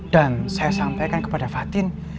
dan saya sampaikan kepada fatin